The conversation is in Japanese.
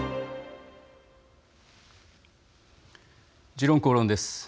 「時論公論」です。